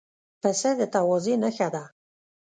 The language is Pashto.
پسه د تواضع نښه ده.